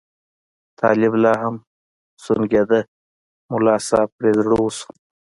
طالب لا هم سونګېده، ملا صاحب پرې زړه وسو.